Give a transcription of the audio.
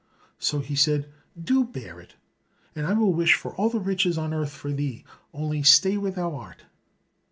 So he said, "Do bear it, and I will wish for all the riches on earth for thee, only stay where thou art."